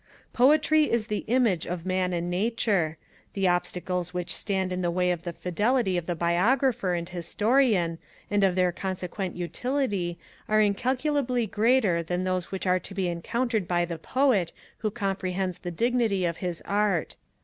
Poetry is the image of man and nature. The obstacles which stand in the way of the fidelity of the Biographer and Historian, and of their consequent utility, are incalculably greater than those which are to be encountered by the Poet who comprehends the dignity of his art.